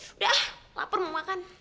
udah lapar mau makan